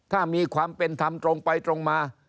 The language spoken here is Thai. ถ้ามีความเป็นธรรมตรงไปตรงมา